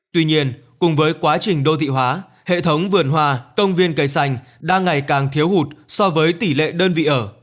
tuy nhiên cùng với quá trình đô thị hóa hệ thống vườn hoa công viên cây xanh đang ngày càng thiếu hụt so với tỷ lệ đơn vị ở